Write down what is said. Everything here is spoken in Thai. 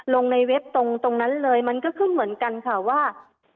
ลงในเว็บตรงนั้นเลยมันก็ขึ้นเหมือนกันค่ะว่า